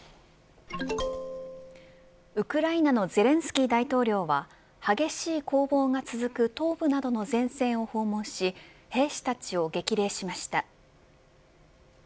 ウクライナのゼレンスキー大統領は激しい攻防が続く東部などの前線を訪問し兵士たちを激励しました。